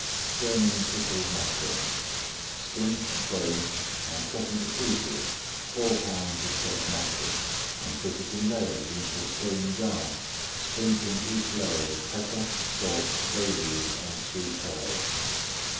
[Page 232] GERMAN PICKLED MACKEREL Skin, bone, and cut into pieces four pounds of fresh mackerel, and put it in layers into a stone jar, sprinkling each layer with pepper, salt, bay leaves, and sweet herbs.